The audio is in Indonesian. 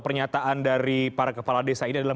pernyataan dari para kepala desa ini adalah